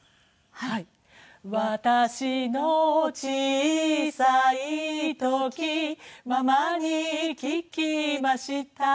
「わたしの小さい時」「ママに聞きました」